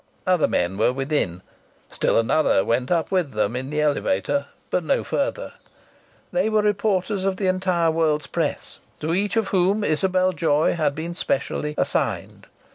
Other men were within. Still another went up with them in the elevator, but no further. They were reporters of the entire world's press, to each of whom Isabel Joy had been specially "assigned."